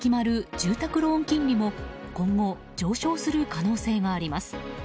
住宅ローン金利も今後、上昇する可能性があります。